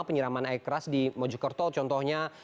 penyiraman air keras di mojokerto contohnya